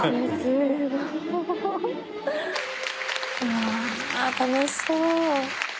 うわ楽しそう。